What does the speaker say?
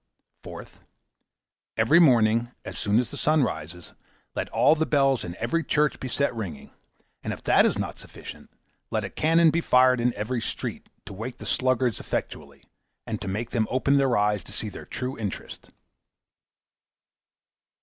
Fourth. Every morning, as soon as the sun rises, let all the bells in every church be set ringing; and if that is not sufficient?, let cannon be fired in every street, to wake the sluggards effectually, and make them open their eyes to see their true interest.